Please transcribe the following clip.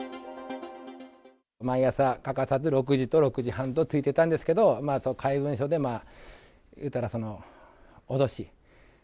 毎朝欠かさず６時と６時半とついてたんですけど、怪文書で、いうたら、脅し。